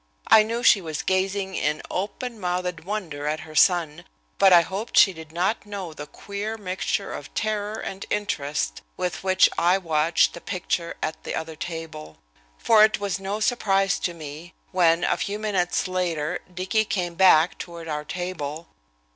I knew she was gazing in open mouthed wonder at her son, but I hoped she did not know the queer mixture of terror and interest with which I watched the picture at the other table. For it was no surprise to me when, a few minutes later, Dicky came back toward our table.